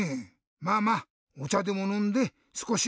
まあまあおちゃでものんですこしおちついて。